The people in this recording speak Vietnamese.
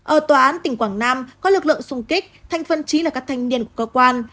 ở tòa án tỉnh quảng nam có lực lượng xung kích thành phân chí là các thanh niên của cơ quan